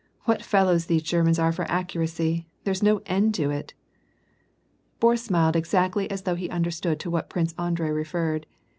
What fellows these 6er* mans are for accuracy ; there's no end to it !" Boris smiled .exactly as though he understood to what Prince Andrei referred.